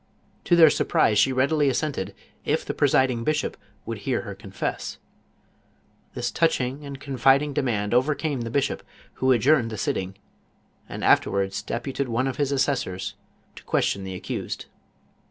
To their sur prise she readily assented, if the presiding bishop would hear her confess. This touching and confiding dem; md overcame the bishop, who adjourned the sitting, and af terwards deputed one of his assessors to question the accused.